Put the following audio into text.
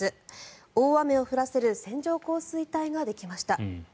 大雨を降らせる線状降水帯ができました。